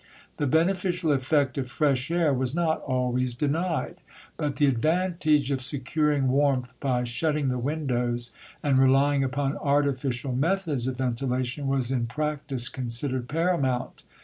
The beneficial effect of fresh air was not always denied; but the advantage of securing warmth by shutting the windows, and relying upon artificial methods of ventilation, was in practice considered paramount.